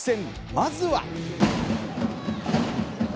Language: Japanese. まずは。